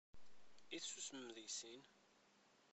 I tessusmem deg sin?